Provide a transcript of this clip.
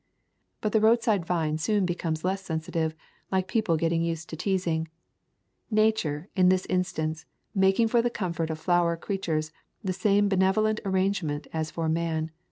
But the roadside vine soon becomes less sensitive, like people getting used to teasing — Nature, in this instance, making for the comfort of flower creatures the same benev olent arrangement as for man.